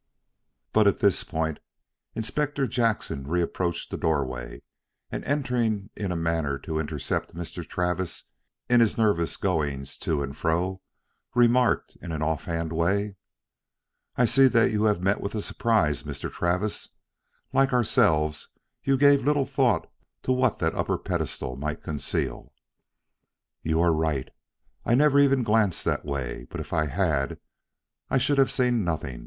But at this point Inspector Jackson reapproached the doorway, and entering in a manner to intercept Mr. Travis in his nervous goings to and fro, remarked in an off hand way: "I see that you have met with a surprise, Mr. Travis. Like ourselves, you gave little thought to what that upper pedestal might conceal." "You are right. I never even glanced that way. But if I had, I should have seen nothing.